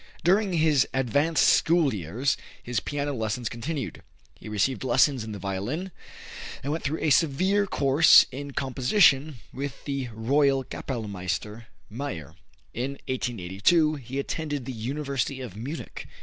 During his advanced school years, his piano lessons continued, he received lessons in the violin, and went through a severe course in composition with the Royal Kapellmeister, Meyer. In 1882, he attended the University of Munich.